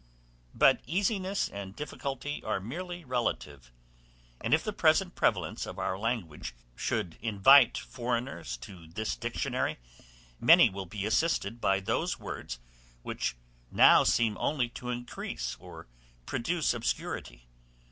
But easiness and difficulty are merely relative; and if the present prevalence of our language should invite foreigners to this Dictionary, many will be assisted by those words which now seem only to increase or produce obscurity.